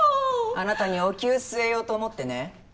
あなたにはおきゅう据えようと思ってね。